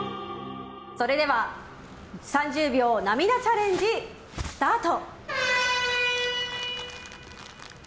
それでは３０秒涙チャレンジ、スタート！